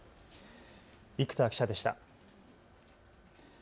生田記者でした。